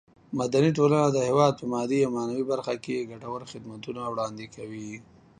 مدني ټولنه د هېواد په مادي او معنوي برخه کې ګټور خدمتونه وړاندې کوي.